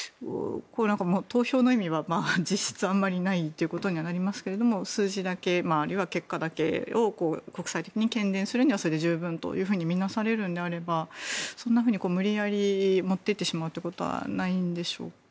投票の意味は実質ないということになりますが数字だけ、あるいは結果だけを国際的に喧伝するにはそれで十分だとみなされるのであればそんなふうに無理やり持っていってしまうことはないんでしょうか？